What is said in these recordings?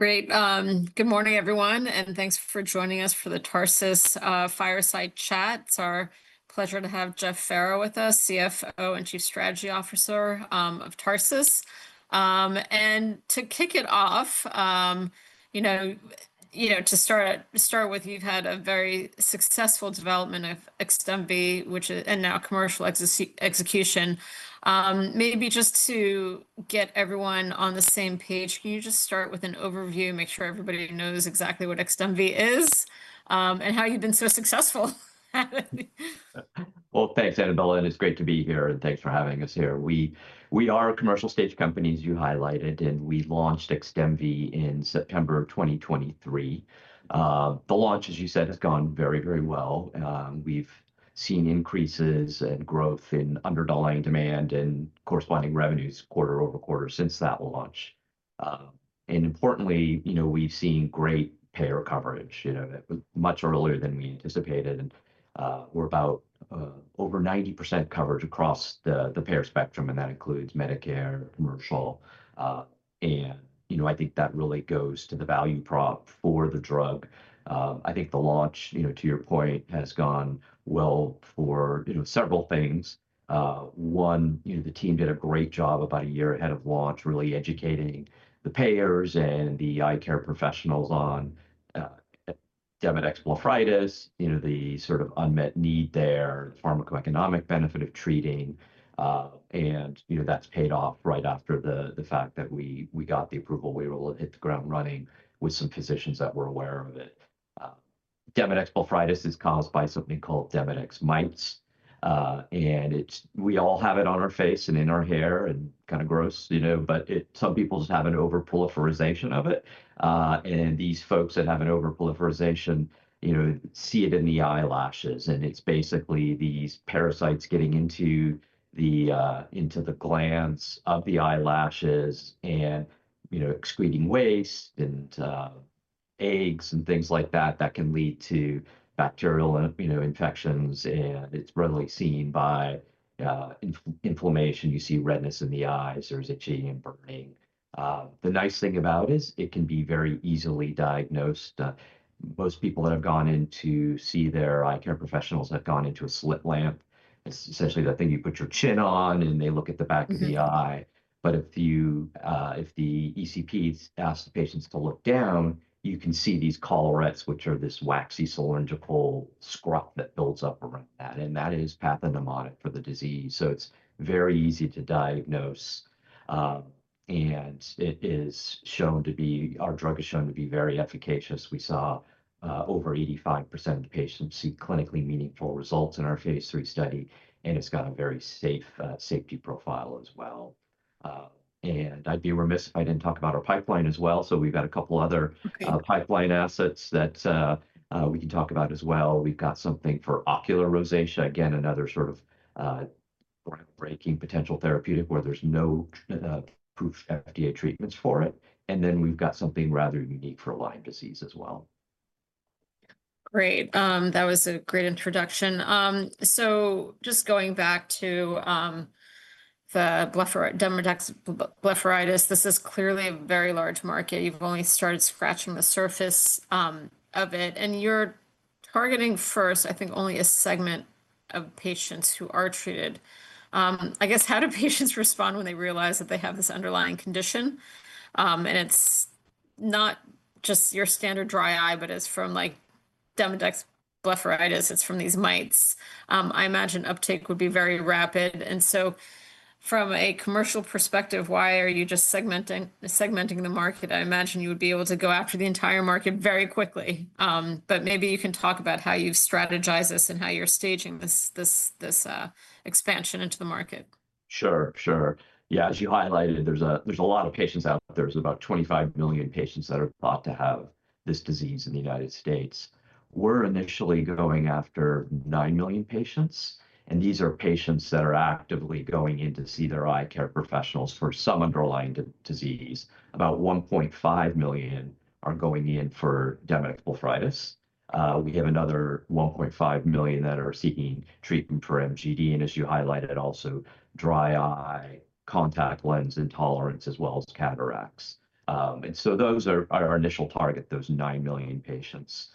Great. Good morning, everyone, and thanks for joining us for the Tarsus fireside chat. It's our pleasure to have Jeff Farrow with us, CFO and Chief Strategy Officer of Tarsus. To kick it off, you know, to start with, you've had a very successful development of XDEMVY, which is now commercial execution. Maybe just to get everyone on the same page, can you just start with an overview, make sure everybody knows exactly what XDEMVY is, and how you've been so successful? Thanks, Annabella. It's great to be here, and thanks for having us here. We are a commercial stage company, as you highlighted, and we launched XDEMVY in September of 2023. The launch, as you said, has gone very, very well. We've seen increases and growth in underlying demand and corresponding revenues quarter-over-quarter since that launch. Importantly, you know, we've seen great payer coverage. You know, it was much earlier than we anticipated, and we're about over 90% coverage across the payer spectrum, and that includes Medicare, commercial, and you know, I think that really goes to the value prop for the drug. I think the launch, you know, to your point, has gone well for, you know, several things. One, you know, the team did a great job about a year ahead of launch, really educating the payers and the eye care professionals on Demodex blepharitis, you know, the sort of unmet need there, the pharmacoeconomic benefit of treating, and you know, that's paid off right after the fact that we got the approval. We were able to hit the ground running with some physicians that were aware of it. Demodex blepharitis is caused by something called Demodex mites, and we all have it on our face and in our hair and kind of gross, you know, but some people just have an overproliferation of it. These folks that have an overproliferation, you know, see it in the eyelashes, and it's basically these parasites getting into the glands of the eyelashes and, you know, excreting waste and eggs and things like that that can lead to bacterial infections, and it's readily seen by inflammation. You see redness in the eyes or itching and burning. The nice thing about it is it can be very easily diagnosed. Most people that have gone in to see their eye care professionals have gone into a slit lamp. It's essentially the thing you put your chin on, and they look at the back of the eye. If the ECPs ask the patients to look down, you can see these collarettes, which are this waxy cylindrical scrub that builds up around that, and that is pathognomonic for the disease. It is very easy to diagnose, and it is shown to be, our drug is shown to be very efficacious. We saw over 85% of the patients see clinically meaningful results in our phase III study, and it has got a very safe safety profile as well. I'd be remiss if I did not talk about our pipeline as well. We have got a couple other pipeline assets that we can talk about as well. We have got something for ocular rosacea, again, another sort of groundbreaking potential therapeutic where there are no approved FDA treatments for it. We have got something rather unique for Lyme disease as well. Great. That was a great introduction. Just going back to the Demodex blepharitis, this is clearly a very large market. You've only started scratching the surface of it, and you're targeting first, I think, only a segment of patients who are treated. I guess, how do patients respond when they realize that they have this underlying condition? And it's not just your standard dry eye, but it's from like Demodex blepharitis. It's from these mites. I imagine uptake would be very rapid. From a commercial perspective, why are you just segmenting the market? I imagine you would be able to go after the entire market very quickly, but maybe you can talk about how you strategize this and how you're staging this expansion into the market. Sure, sure. Yeah, as you highlighted, there's a lot of patients out there. There's about 25 million patients that are thought to have this disease in the United States. We're initially going after 9 million patients, and these are patients that are actively going in to see their eye care professionals for some underlying disease. About 1.5 million are going in for Demodex blepharitis. We have another 1.5 million that are seeking treatment for MGD, and as you highlighted, also dry eye, contact lens intolerance, as well as cataracts. Those are our initial target, those 9 million patients.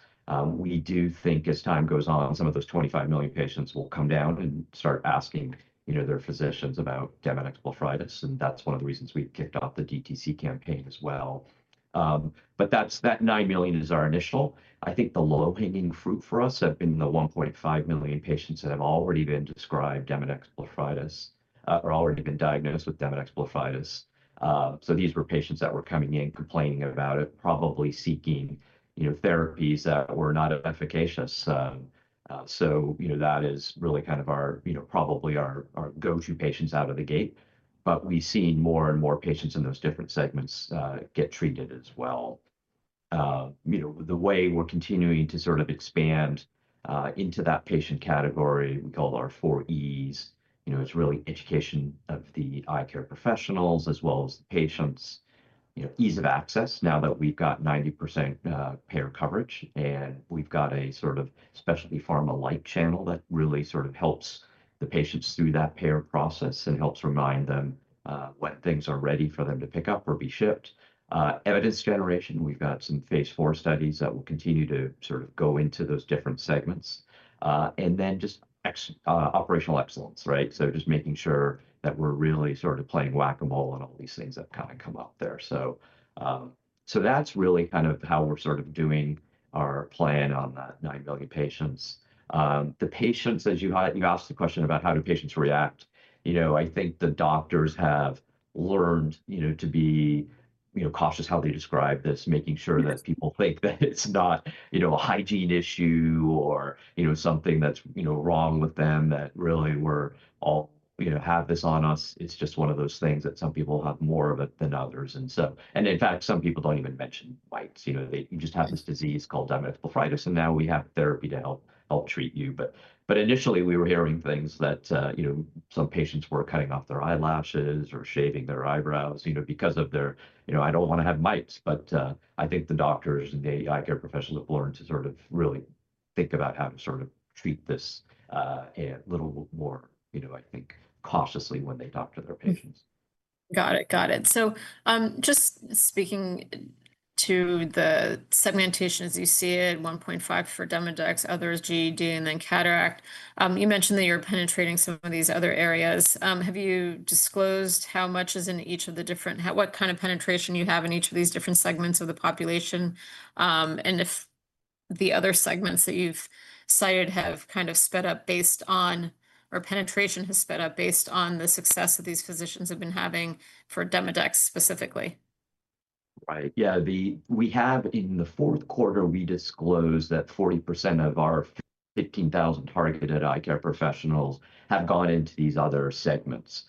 We do think as time goes on, some of those 25 million patients will come down and start asking, you know, their physicians about Demodex blepharitis, and that's one of the reasons we kicked off the DTC campaign as well. That 9 million is our initial. I think the low hanging fruit for us have been the 1.5 million patients that have already been described Demodex blepharitis or already been diagnosed with Demodex blepharitis. These were patients that were coming in complaining about it, probably seeking, you know, therapies that were not efficacious. That is really kind of our, you know, probably our go-to patients out of the gate, but we've seen more and more patients in those different segments get treated as well. You know, the way we're continuing to sort of expand into that patient category, we call it our four E's, you know, is really education of the eye care professionals as well as the patients, you know, ease of access now that we've got 90% payer coverage, and we've got a sort of specialty pharma-like channel that really sort of helps the patients through that payer process and helps remind them when things are ready for them to pick up or be shipped. Evidence generation, we've got some phase IV studies that will continue to sort of go into those different segments. Just operational excellence, right? Just making sure that we're really sort of playing whack-a-mole and all these things that kind of come up there. That's really kind of how we're sort of doing our plan on that 9 million patients. The patients, as you asked the question about how do patients react, you know, I think the doctors have learned, you know, to be, you know, cautious how they describe this, making sure that people think that it's not, you know, a hygiene issue or, you know, something that's, you know, wrong with them that really we're all, you know, have this on us. It's just one of those things that some people have more of it than others. In fact, some people don't even mention mites. You know, you just have this disease called Demodex blepharitis, and now we have therapy to help treat you. Initially, we were hearing things that, you know, some patients were cutting off their eyelashes or shaving their eyebrows, you know, because of their, you know, I don't want to have mites, but I think the doctors and the eye care professionals have learned to sort of really think about how to sort of treat this a little more, you know, I think cautiously when they talk to their patients. Got it, got it. Just speaking to the segmentation, as you see it, 1.5 for Demodex, others GED, and then cataract, you mentioned that you're penetrating some of these other areas. Have you disclosed how much is in each of the different, what kind of penetration you have in each of these different segments of the population? If the other segments that you've cited have kind of sped up based on, or penetration has sped up based on the success that these physicians have been having for Demodex specifically? Right. Yeah, we have in the fourth quarter, we disclosed that 40% of our 15,000 targeted eye care professionals have gone into these other segments.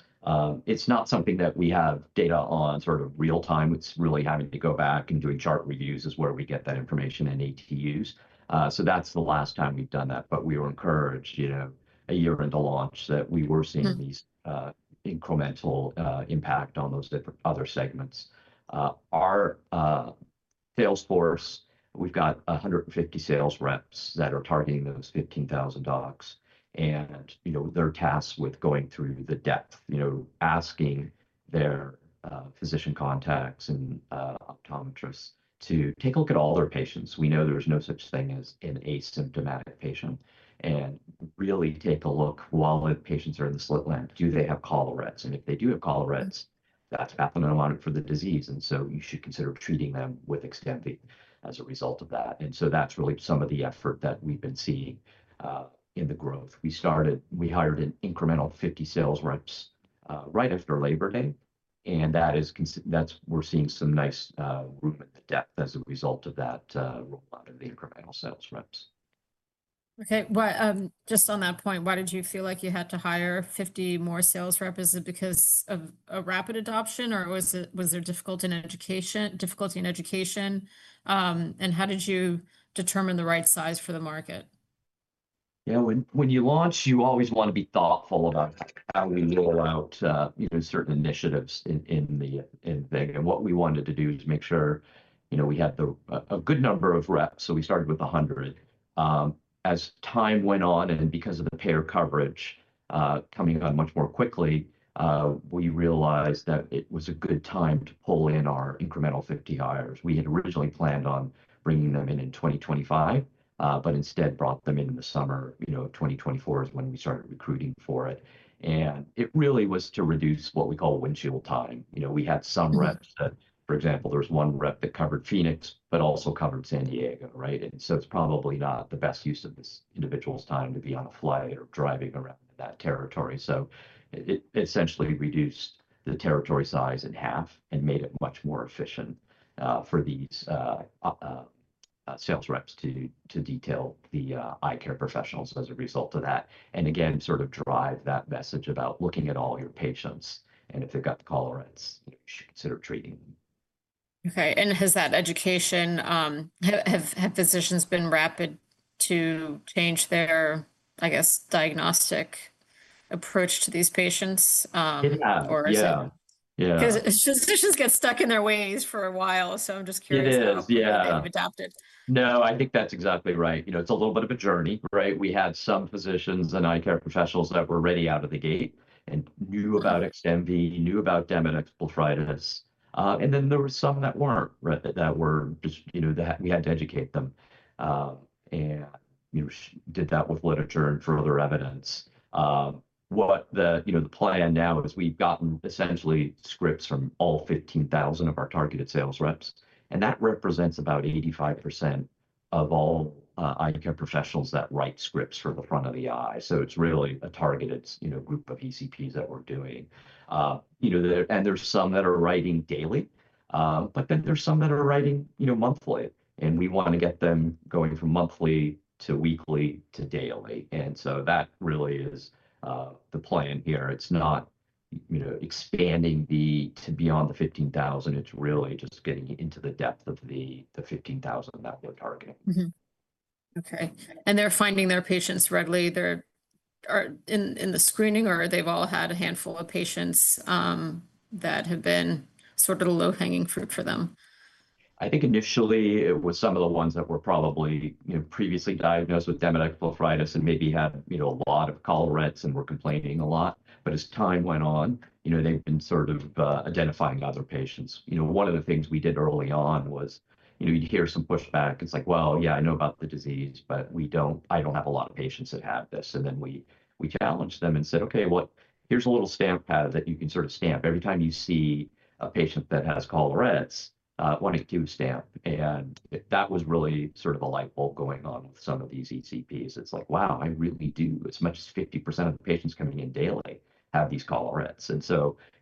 It's not something that we have data on sort of real time. It's really having to go back and doing chart reviews is where we get that information in ATUs. So that's the last time we've done that, but we were encouraged, you know, a year into launch that we were seeing these incremental impact on those different other segments. Our sales force, we've got 150 sales reps that are targeting those 15,000 docs, and you know, they're tasked with going through the depth, you know, asking their physician contacts and optometrists to take a look at all their patients. We know there's no such thing as an asymptomatic patient, and really take a look while the patients are in the slit lamp, do they have collarettes? If they do have collarettes, that's pathognomonic for the disease, and you should consider treating them with XDEMVY as a result of that. That's really some of the effort that we've been seeing in the growth. We started, we hired an incremental 50 sales reps right after Labor Day, and that is, that's we're seeing some nice room in the depth as a result of that roll out of the incremental sales reps. Okay. Just on that point, why did you feel like you had to hire 50 more sales reps? Is it because of a rapid adoption, or was there difficulty in education? How did you determine the right size for the market? Yeah, when you launch, you always want to be thoughtful about how we roll out, you know, certain initiatives in the thing. And what we wanted to do is make sure, you know, we had a good number of reps. So we started with 100. As time went on, and because of the payer coverage coming on much more quickly, we realized that it was a good time to pull in our incremental 50 hires. We had originally planned on bringing them in in 2025, but instead brought them in in the summer, you know, 2024 is when we started recruiting for it. And it really was to reduce what we call windshield time. You know, we had some reps that, for example, there was one rep that covered Phoenix, but also covered San Diego, right? It is probably not the best use of this individual's time to be on a flight or driving around in that territory. It essentially reduced the territory size in half and made it much more efficient for these sales reps to detail the eye care professionals as a result of that, and again, sort of drive that message about looking at all your patients, and if they've got the collarettes, you should consider treating them. Okay. Has that education, have physicians been rapid to change their, I guess, diagnostic approach to these patients? Yeah. Because physicians get stuck in their ways for a while, so I'm just curious how they've adapted. No, I think that's exactly right. You know, it's a little bit of a journey, right? We had some physicians and eye care professionals that were ready out of the gate and knew about XDEMVY, knew about Demodex blepharitis, and then there were some that weren't that were just, you know, that we had to educate them and, you know, did that with literature and further evidence. What the, you know, the plan now is we've gotten essentially scripts from all 15,000 of our targeted sales reps, and that represents about 85% of all eye care professionals that write scripts for the front of the eye. It is really a targeted, you know, group of ECPs that we're doing. You know, and there's some that are writing daily, but then there's some that are writing, you know, monthly, and we want to get them going from monthly to weekly to daily. That really is the plan here. It's not, you know, expanding to beyond the 15,000. It's really just getting into the depth of the 15,000 that we're targeting. Okay. Are they finding their patients readily? Are they in the screening, or have they all had a handful of patients that have been sort of the low hanging fruit for them? I think initially it was some of the ones that were probably, you know, previously diagnosed with Demodex blepharitis and maybe had, you know, a lot of collarettes and were complaining a lot. As time went on, you know, they've been sort of identifying other patients. You know, one of the things we did early on was, you know, you hear some pushback. It's like, yeah, I know about the disease, but we don't, I don't have a lot of patients that have this. We challenged them and said, okay, here's a little stamp pad that you can sort of stamp every time you see a patient that has collarettes, want to do a stamp. That was really sort of a light bulb going on with some of these ECPs. It's like, wow, I really do, as much as 50% of the patients coming in daily have these collarettes.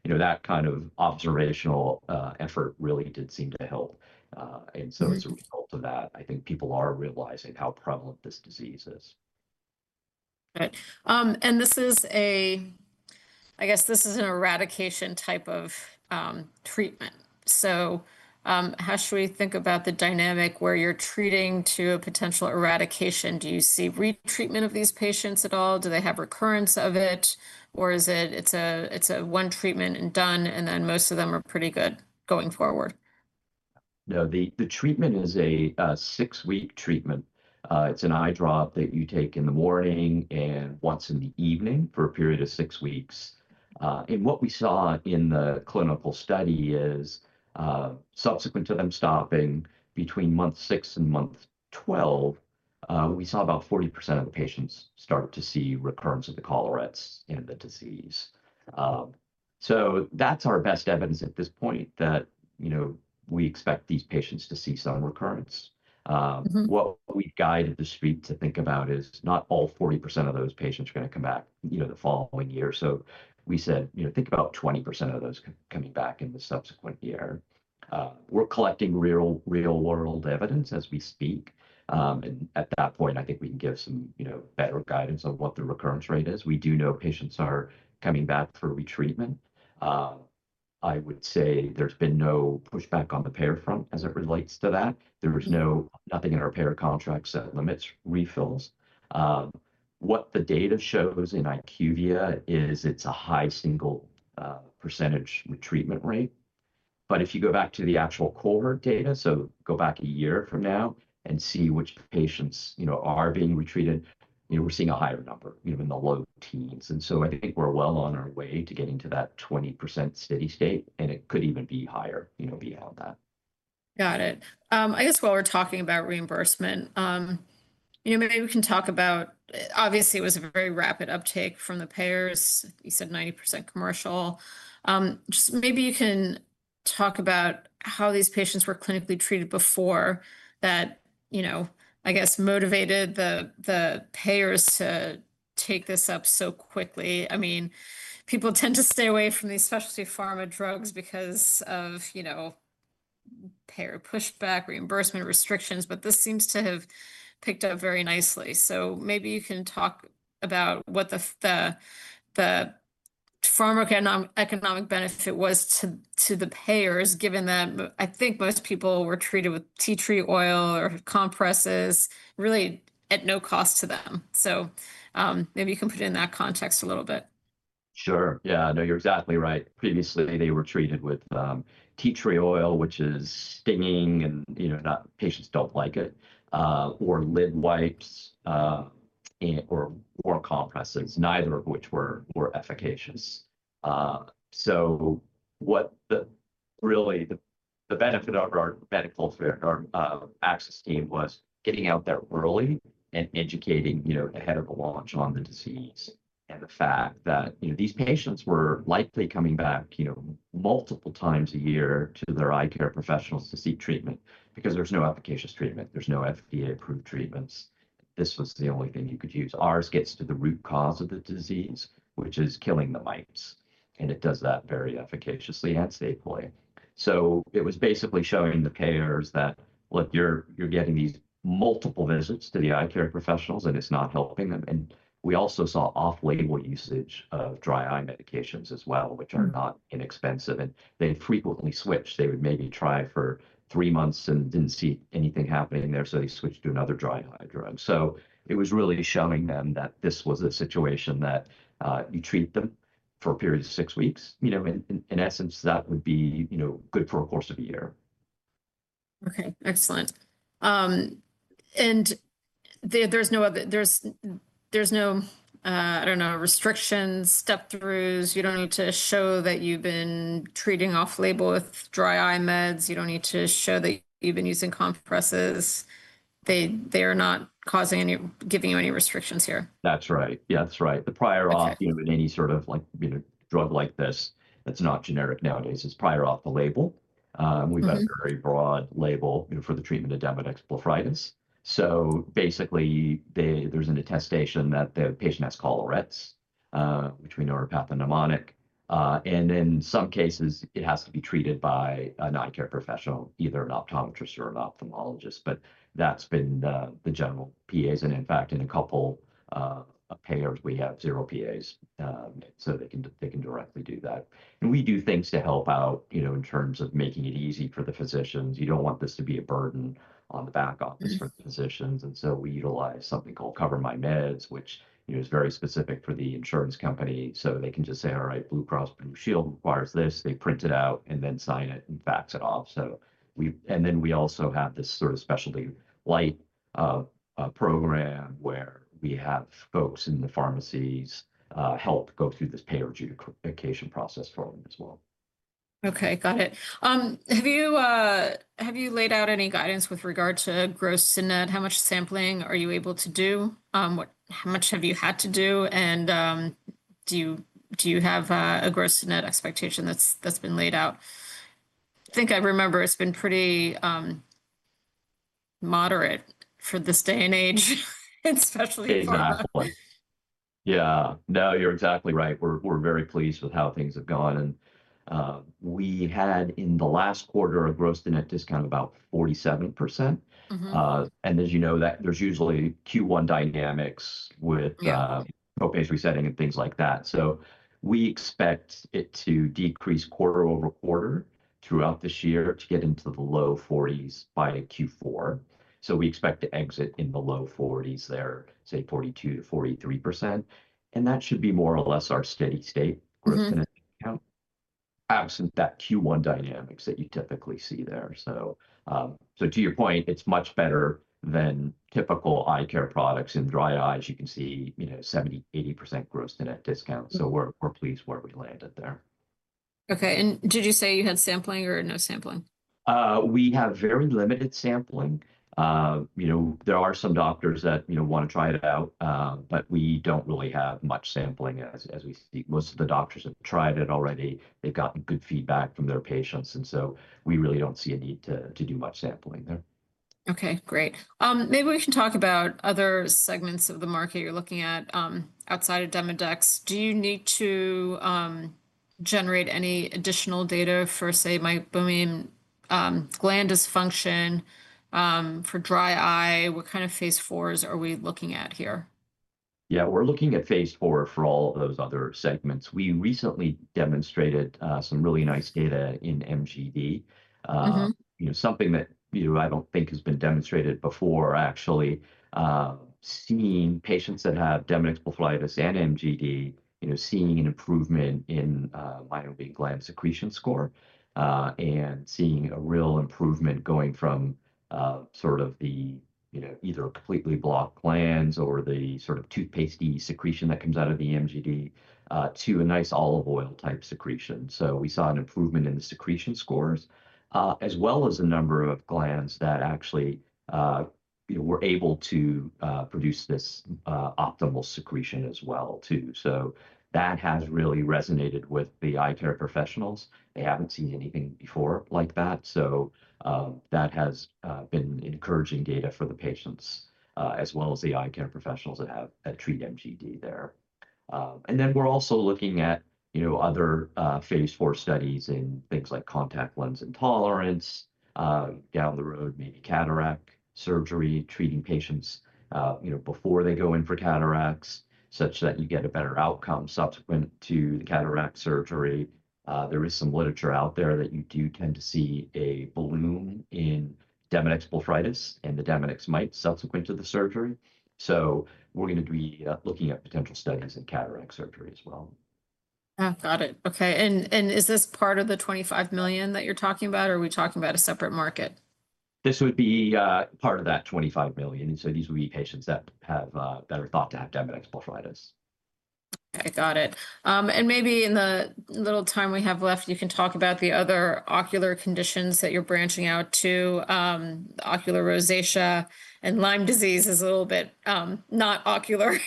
You know, that kind of observational effort really did seem to help. As a result of that, I think people are realizing how prevalent this disease is. Okay. This is a, I guess this is an eradication type of treatment. How should we think about the dynamic where you're treating to a potential eradication? Do you see retreatment of these patients at all? Do they have recurrence of it, or is it a one treatment and done, and then most of them are pretty good going forward? No, the treatment is a six-week treatment. It's an eye drop that you take in the morning and once in the evening for a period of six weeks. What we saw in the clinical study is subsequent to them stopping, between month six and month 12, we saw about 40% of the patients start to see recurrence of the collarettes in the disease. That's our best evidence at this point that, you know, we expect these patients to see some recurrence. What we've guided the street to think about is not all 40% of those patients are going to come back, you know, the following year. We said, you know, think about 20% of those coming back in the subsequent year. We're collecting real-world evidence as we speak. At that point, I think we can give some, you know, better guidance on what the recurrence rate is. We do know patients are coming back for retreatment. I would say there's been no pushback on the payer front as it relates to that. There's nothing in our payer contracts that limits refills. What the data shows in IQVIA is it's a high single % retreatment rate. If you go back to the actual cohort data, so go back a year from now and see which patients, you know, are being retreated, you know, we're seeing a higher number, you know, in the low teens. I think we're well on our way to getting to that 20% steady state, and it could even be higher, you know, beyond that. Got it. I guess while we're talking about reimbursement, you know, maybe we can talk about, obviously it was a very rapid uptake from the payers. You said 90% commercial. Just maybe you can talk about how these patients were clinically treated before that, you know, I guess motivated the payers to take this up so quickly. I mean, people tend to stay away from these specialty pharma drugs because of, you know, payer pushback, reimbursement restrictions, but this seems to have picked up very nicely. Maybe you can talk about what the pharma economic benefit was to the payers, given that I think most people were treated with tea tree oil or compresses really at no cost to them. Maybe you can put it in that context a little bit. Sure. Yeah, no, you're exactly right. Previously, they were treated with tea tree oil, which is stinging and, you know, patients don't like it, or lid wipes or warm compresses, neither of which were efficacious. What the really the benefit of our medical fair, our access team was getting out there early and educating, you know, ahead of the launch on the disease and the fact that, you know, these patients were likely coming back, you know, multiple times a year to their eye care professionals to seek treatment because there's no efficacious treatment. There's no FDA-approved treatments. This was the only thing you could use. Ours gets to the root cause of the disease, which is killing the mites, and it does that very efficaciously and safely. It was basically showing the payers that, look, you're getting these multiple visits to the eye care professionals, and it's not helping them. We also saw off-label usage of dry eye medications as well, which are not inexpensive, and they frequently switched. They would maybe try for three months and didn't see anything happening there, so they switched to another dry eye drug. It was really showing them that this was a situation that you treat them for a period of six weeks, you know, in essence, that would be, you know, good for a course of a year. Okay, excellent. There is no, I don't know, restrictions, step-throughs. You don't need to show that you've been treating off-label with dry eye meds. You don't need to show that you've been using compresses. They are not causing any, giving you any restrictions here. That's right. Yeah, that's right. The prior auth, you know, in any sort of like, you know, drug like this, that's not generic nowadays, is prior auth the label. We've got a very broad label, you know, for the treatment of Demodex blepharitis. Basically, there's an attestation that the patient has collarettes, which we know are pathognomonic, and in some cases, it has to be treated by an eye care professional, either an optometrist or an ophthalmologist, but that's been the general PAs. In fact, in a couple of payers, we have zero PAs, so they can directly do that. We do things to help out, you know, in terms of making it easy for the physicians. You don't want this to be a burden on the back office for the physicians. We utilize something called CoverMyMeds, which, you know, is very specific for the insurance company. They can just say, all right, Blue Cross Blue Shield requires this. They print it out and then sign it and fax it off. We also have this sort of specialty light program where we have folks in the pharmacies help go through this payer adjudication process for them as well. Okay, got it. Have you laid out any guidance with regard to gross-to-net? How much sampling are you able to do? How much have you had to do? And do you have a gross-to-net expectation that's been laid out? I think I remember it's been pretty moderate for this day and age, especially for. Yeah, no, you're exactly right. We're very pleased with how things have gone. We had in the last quarter a gross-to-net discount of about 47%. As you know, there's usually Q1 dynamics with copay resetting and things like that. We expect it to decrease quarter-over-quarter throughout this year to get into the low 40s by Q4. We expect to exit in the low 40s there, say 42%-43%. That should be more or less our steady state gross-to-net discount absent that Q1 dynamics that you typically see there. To your point, it's much better than typical eye care products in dry eye. You can see, you know, 70%-80% gross-to-net discount. We're pleased where we landed there. Okay. Did you say you had sampling or no sampling? We have very limited sampling. You know, there are some doctors that, you know, want to try it out, but we do not really have much sampling as we see. Most of the doctors have tried it already. They have gotten good feedback from their patients. You know, we really do not see a need to do much sampling there. Okay, great. Maybe we can talk about other segments of the market you're looking at outside of Demodex. Do you need to generate any additional data for, say, meibomian gland dysfunction for dry eye? What kind of phase IV's are we looking at here? Yeah, we're looking at phase IV for all of those other segments. We recently demonstrated some really nice data in MGD. You know, something that, you know, I don't think has been demonstrated before, actually seeing patients that have Demodex blepharitis and MGD, you know, seeing an improvement in meibomian gland secretion score and seeing a real improvement going from sort of the, you know, either completely blocked glands or the sort of toothpastey secretion that comes out of the MGD to a nice olive oil type secretion. We saw an improvement in the secretion scores, as well as the number of glands that actually, you know, were able to produce this optimal secretion as well too. That has really resonated with the eye care professionals. They haven't seen anything before like that. That has been encouraging data for the patients, as well as the eye care professionals that treat MGD there. We're also looking at, you know, other phase IV studies in things like contact lens intolerance, down the road, maybe cataract surgery, treating patients, you know, before they go in for cataracts such that you get a better outcome subsequent to the cataract surgery. There is some literature out there that you do tend to see a balloon in Demodex blepharitis and the Demodex mite subsequent to the surgery. We're going to be looking at potential studies in cataract surgery as well. Got it. Okay. Is this part of the 25 million that you're talking about, or are we talking about a separate market? This would be part of that 25 million. These would be patients that have been thought to have Demodex blepharitis. Okay, got it. Maybe in the little time we have left, you can talk about the other ocular conditions that you're branching out to, ocular rosacea and Lyme disease is a little bit not ocular.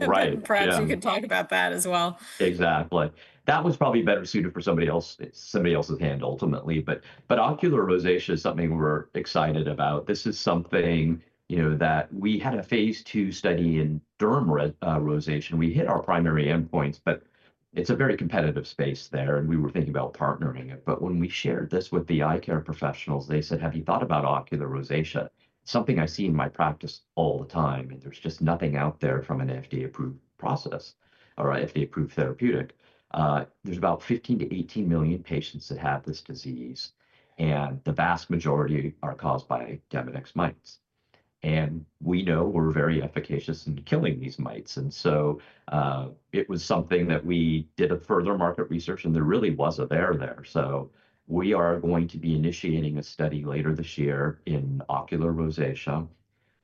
Right. Perhaps you could talk about that as well. Exactly. That was probably better suited for somebody else, somebody else's hand ultimately. Ocular rosacea is something we're excited about. This is something, you know, that we had a phase II study in derm rosacea. We hit our primary endpoints, but it is a very competitive space there, and we were thinking about partnering it. When we shared this with the eye care professionals, they said, "Have you thought about ocular rosacea? Something I see in my practice all the time, and there's just nothing out there from an FDA-approved process or FDA-approved therapeutic." There are about 15 million-18 million patients that have this disease, and the vast majority are caused by Demodex mites. We know we're very efficacious in killing these mites. It was something that we did a further market research, and there really was a bear there. We are going to be initiating a study later this year in ocular rosacea,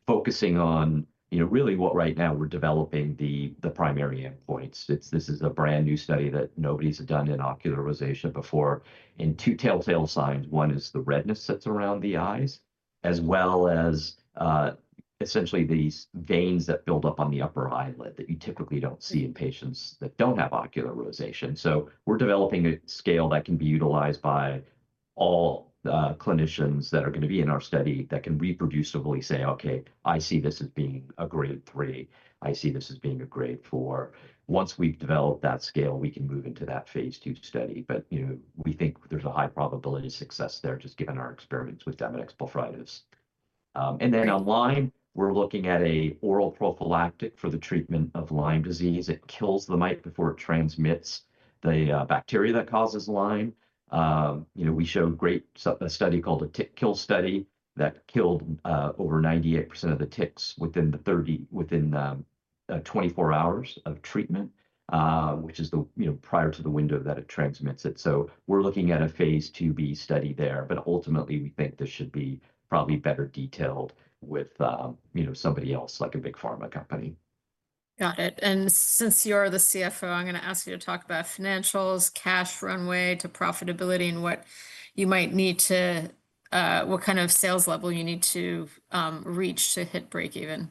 focusing on, you know, really what right now we're developing the primary endpoints. This is a brand new study that nobody's done in ocular rosacea before. Two telltale signs, one is the redness that's around the eyes, as well as essentially these veins that build up on the upper eyelid that you typically don't see in patients that don't have ocular rosacea. We're developing a scale that can be utilized by all clinicians that are going to be in our study that can reproducibly say, "Okay, I see this as being a grade three. I see this as being a grade four." Once we've developed that scale, we can move into that phase two study. You know, we think there's a high probability of success there just given our experiments with Demodex blepharitis. And then on Lyme, we're looking at an oral prophylactic for the treatment of Lyme disease. It kills the mite before it transmits the bacteria that causes Lyme. You know, we showed a great study called a tick kill study that killed over 98% of the ticks within the 24 hours of treatment, which is the, you know, prior to the window that it transmits it. So we're looking at a phase II-B study there, but ultimately we think this should be probably better detailed with, you know, somebody else like a big pharma company. Got it. Since you're the CFO, I'm going to ask you to talk about financials, cash runway to profitability, and what you might need to, what kind of sales level you need to reach to hit break even.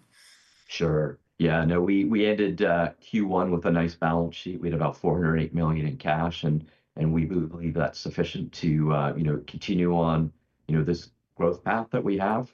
Sure. Yeah, no, we ended Q1 with a nice balance sheet. We had about $408 million in cash, and we believe that's sufficient to, you know, continue on, you know, this growth path that we have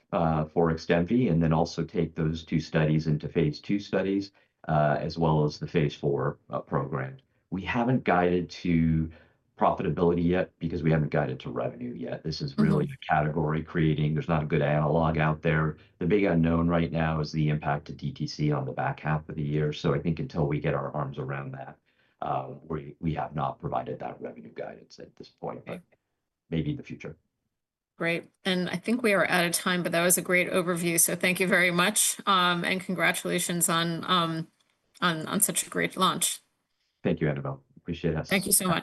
for XDEMVY and then also take those two studies into phase II studies, as well as the phase IV program. We haven't guided to profitability yet because we haven't guided to revenue yet. This is really a category creating. There's not a good analog out there. The big unknown right now is the impact to DTC on the back half of the year. I think until we get our arms around that, we have not provided that revenue guidance at this point, but maybe in the future. Great. I think we are out of time, but that was a great overview. Thank you very much, and congratulations on such a great launch. Thank you, Annabella. Appreciate it. Thank you so much.